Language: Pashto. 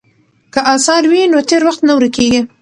که اثار وي نو تېر وخت نه ورکیږي.